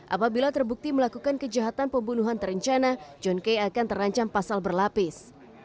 apabila terbukti melakukan kejahatan pembunuhan terencana john kay akan terancam pasal berlapis